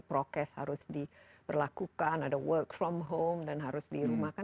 prokes harus diberlakukan ada work from home dan harus dirumahkan